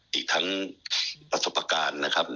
อีกทั้งประสบการณ์นะครับ